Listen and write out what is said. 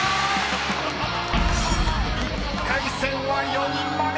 ［１回戦は４人まで。